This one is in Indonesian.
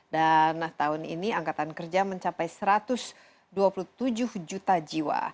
dan tahun ini angkatan kerja mencapai satu ratus dua puluh tujuh juta jiwa